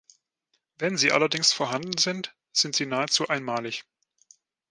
Wenn sie allerdings vorhanden sind, sind sie nahezu einmalig.